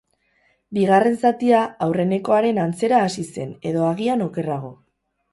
Bigarren zatia aurrenekoaren antzera hasi zen, edo agian okerrago.